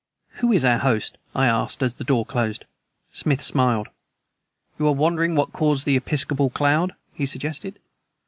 "Who is our host?" I asked, as the door closed. Smith smiled. "You are wondering what caused the 'episcopal cloud?'" he suggested.